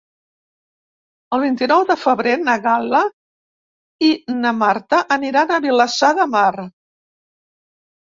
El vint-i-nou de febrer na Gal·la i na Marta aniran a Vilassar de Mar.